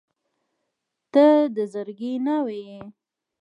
• ته د زړګي ناوې یې.